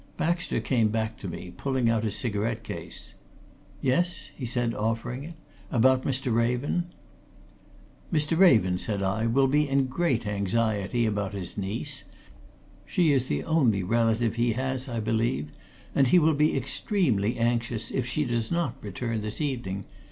Baxter came back to me, pulling out a cigarette case. "Yes?" he said, offering it. "About Mr. Raven?" "Mr. Raven," said I, "will be in great anxiety about his niece. She is the only relative he has, I believe, and he will be extremely anxious if she does not return this evening.